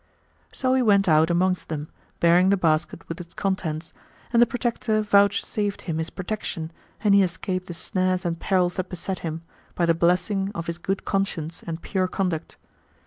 "[FN#121] So he went out amongst them, bearing the basket with its contents, and the Protector vouchsafed him His protection and he escaped the snares and perils that beset him, by the blessing of his good conscience and pure conduct.